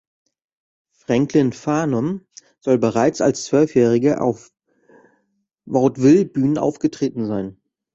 Franklyn Farnum soll bereits als Zwölfjähriger auf Vaudeville-Bühnen aufgetreten sein.